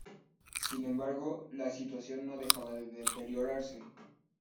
Sin embargo, la situación no dejaba de deteriorarse.